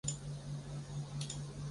有没有电一量就知道